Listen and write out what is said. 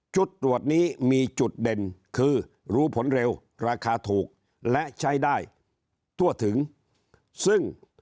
จุดตรวจนี้มีจุดเด่นคือรู้ผลเร็วราคาถูกและใช้ได้ทั่วถึงซึ่ง